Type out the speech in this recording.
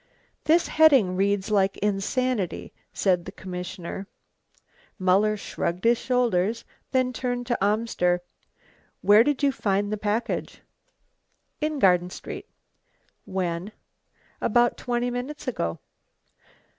"This heading reads like insanity," said the commissioner. Muller shrugged his shoulders, then turned to Amster. "Where did you find the package?" "In Garden street." "When?" "About twenty minutes ago."